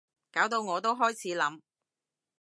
搞到我都開始諗